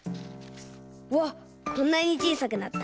うわっこんなにちいさくなった。